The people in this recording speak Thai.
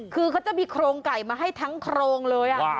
คือเขาจะมีโครงไก่มาให้ทั้งโครงเลย